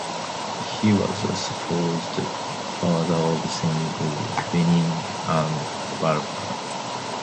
He was the supposed father of Saints Willibald, Winiblad and Walpurga.